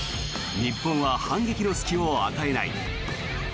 日本は反撃の隙を与えない。